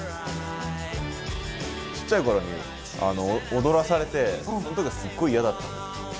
ちっちゃい頃に踊らされてその時はすごい嫌だった。